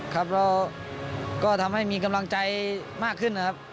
ครับเราก็ทำให้มีกำลังใจมากขึ้นนะครับ